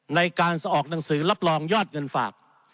ในการออกหนังสือรับรองยอดเงินฝาก